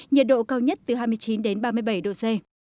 nhiệt độ cao nhất từ hai mươi chín đến ba mươi bảy độ c